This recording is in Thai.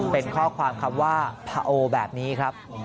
เป็นข้อความคำว่าผโอแบบนี้ครับ